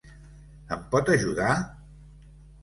Em pot ajudar?